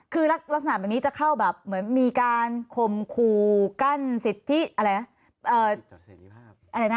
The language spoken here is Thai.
คือลักษณะแบบนี้จะเข้าแบบเหมือนมีการคมคู่กั้นสิทธิอะไรนะ